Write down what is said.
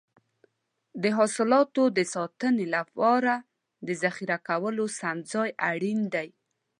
د حاصلاتو د ساتنې لپاره د ذخیره کولو سم ځای اړین دی.